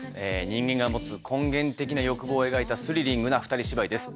人間が持つ根源的な欲望を描いたスリリングな２人芝居です。